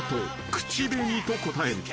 口紅と答える］